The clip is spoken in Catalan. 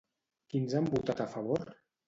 Quins han votat a favor?